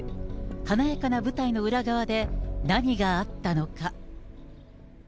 華やかな舞台の裏側で何があったのか。